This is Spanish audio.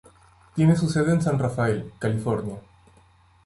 Tiene su sede en San Rafael, California.